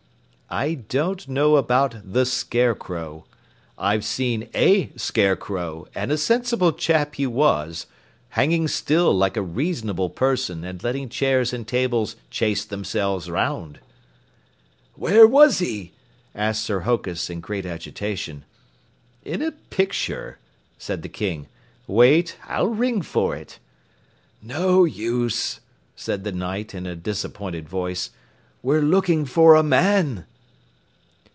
"I don't know about the Scarecrow. I've seen a Scarecrow, and a sensible chap he was, hanging still like a reasonable person and letting chairs and tables chase themselves 'round." "Where was he?" asked Sir Hokus in great agitation. "In a picture," said the King. "Wait, I'll ring for it." "No use," said the Knight in a disappointed voice. "We're looking for a man."